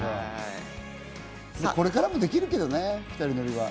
これからもできるけどね、２人乗りは。